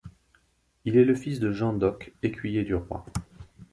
Il est le fils de Jean Doc, écuyer du roi.